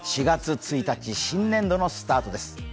４月１日、新年度のスタートです。